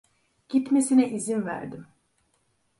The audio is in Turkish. Gitmesine izin verdim.